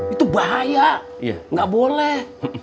itu bahaya nggak boleh